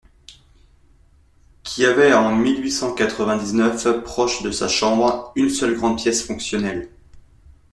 Qui avait en mille huit cent quatre-vingt-dix-neuf proche de sa chambre, une seule grande pièce fonctionnelle.